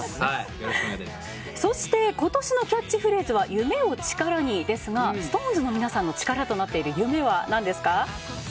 そして今年のキャッチフレーズは夢をチカラにですがＳｉｘＴＯＮＥＳの皆さんの力となっている夢は何ですか？